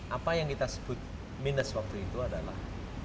apa yang kita sebut minus waktu itu adalah